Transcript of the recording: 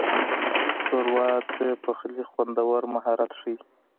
ښوروا د پخلي خوندور مهارت ښيي.